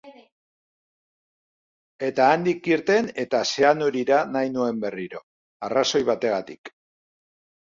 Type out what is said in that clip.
Eta handik irten eta Zeanurira nahi nuen berriro, arrazoi bategatik.